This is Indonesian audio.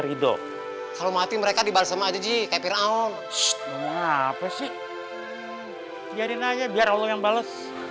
hidup kalau mati mereka dibalas sama aja jika piraul apa sih jadi nanya biar allah yang bales